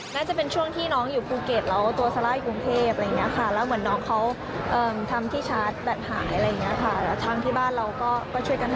น่าจะเป็นช่วงที่น้องอยู่ภูเกษแล้วตัวซาร่าอยู่กรุงเทพฯแล้วเหมือนน้องเขาทำที่ชาร์จหายแล้วทางที่บ้านเราก็ช่วยกัน